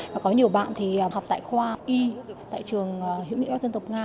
và có nhiều bạn thì học tại khoa y tại trường hiểu nghị các dân tộc nga